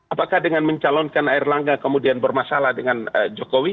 apakah dengan mencalonkan airlangga kemudian bermasalah dengan jokowi